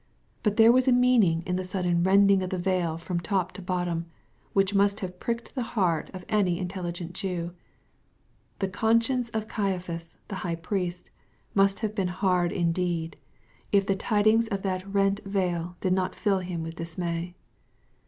But there was a meaning in the sudden rending of the veil from top to bottom, which must have pricked the heart of any intel ligent Jew. The conscience of Caiaphas, the high priest, must have been hard indeed, if the tidings of that rent veil did not fill him with dismay.